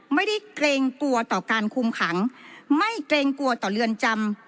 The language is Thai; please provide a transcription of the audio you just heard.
เกรงกลัวต่อการคุมขังไม่เกรงกลัวต่อเรือนจำ